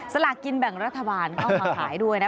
สลากกินแบ่งรัฐบาลเข้ามาขายด้วยนะคะ